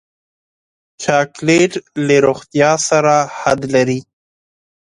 چاکلېټ له روغتیا سره حد لري.